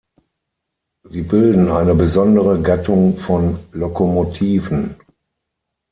Sie bilden eine besondere Gattung von Lokomotiven.